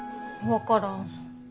分からん。